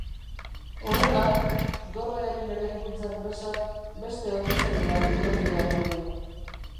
Horrela, dorrearen eraikuntza enpresak beste hornitzaile bat bilatu beharko du.